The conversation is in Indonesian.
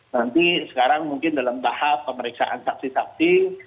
nanti sekarang mungkin dalam bahas pemeriksaan saksi sakti